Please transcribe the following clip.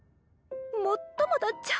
もっともだっちゃ